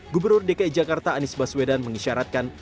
gubernur dki jakarta anies baswedan mengisyaratkan